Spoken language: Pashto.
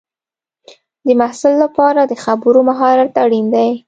د محصل لپاره د خبرو مهارت اړین دی.